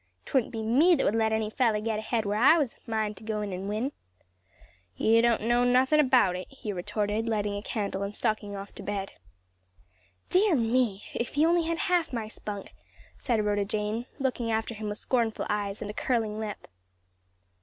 'Twouldn't be me that would let any feller get ahead where I was amind to go in and win." "You don't know nothin' about it," he retorted, lighting a candle and stalking off to bed. "Dear me, if he only had half my spunk!" said Rhoda Jane, looking after him with scornful eyes and a curling lip.